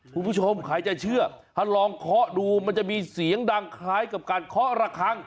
คุณผู้ชมใครจะเชื่อถ้าลองเคาะดูมันจะมีเสียงดังคล้ายกับการเคาะระคัง